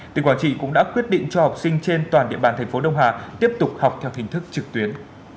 tỉnh quảng trị cũng đã quyết định cho học sinh trên toàn địa bàn thành phố đông hà tiếp tục học theo hình thức trực tuyến